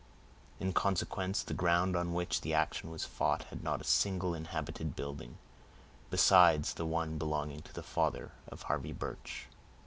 In consequence, the ground on which the action was fought had not a single inhabited building, besides the one belonging to the father of Harvey Birch.